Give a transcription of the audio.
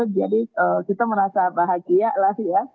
jadi kita merasa bahagia lah ya